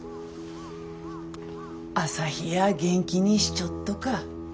朝陽や元気にしちょっとか？